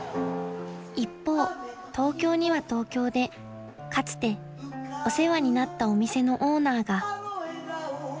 ［一方東京には東京でかつてお世話になったお店のオーナーが］